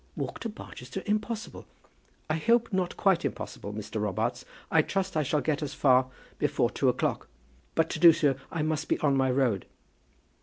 "Walk to Barchester. Impossible!" "I hope not quite impossible, Mr. Robarts. I trust I shall get as far before two o'clock; but to do so I must be on my road."